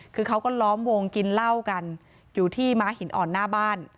คือเขาก็ล้อมวงกินเหล้ากันอยู่ที่ม้าหินอ่อนหน้าบ้าน